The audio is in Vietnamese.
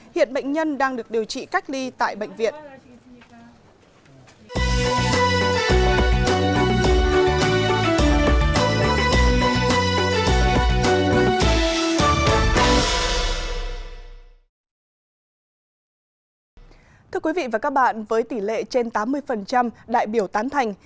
hiện bệnh nhân đang được điều trị cách ly tại bệnh viện